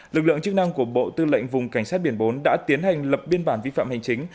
lực lượng chức năng của bộ tư lệnh vùng cảnh sát biển bốn đã tiến hành lập biên bản vi phạm hành chính